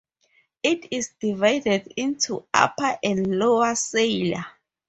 It is divided into Upper and Lower Selia.